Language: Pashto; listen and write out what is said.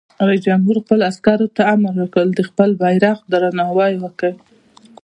رئیس جمهور خپلو عسکرو ته امر وکړ؛ د خپل بیرغ درناوی وکړئ!